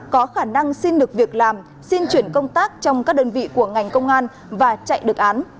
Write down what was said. có khả năng xin được việc làm xin chuyển công tác trong các đơn vị của ngành công an và chạy được án